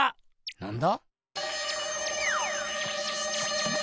なんだ？